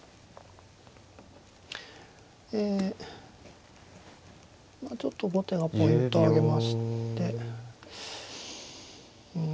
ええちょっと後手がポイントをあげましてうん。